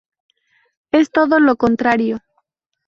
Es todo lo contrario.